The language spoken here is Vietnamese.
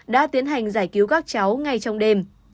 đã tiến hành giải cứu các cháu ngay trong đêm